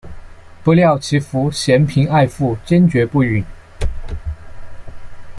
不料其父嫌贫爱富坚决不允。